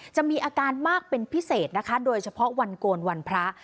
จะมีอาการมากเป็นพิเศษนะคะโดยเฉพาะวันโกนวันพระ